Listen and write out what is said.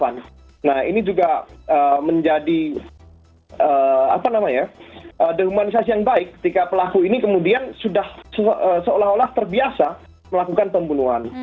nah ini juga menjadi demonisasi yang baik ketika pelaku ini kemudian sudah seolah olah terbiasa melakukan pembunuhan